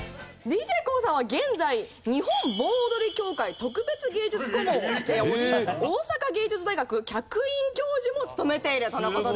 ＤＪＫＯＯさんは現在日本盆踊り協会特別芸術顧問をしており大阪芸術大学客員教授も務めているとの事です。